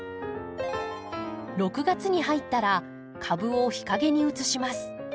６月に入ったら株を日陰に移します。